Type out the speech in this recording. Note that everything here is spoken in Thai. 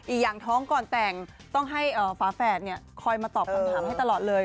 อีกอย่างท้องก่อนแต่งต้องให้ฝาแฝดคอยมาตอบคำถามให้ตลอดเลย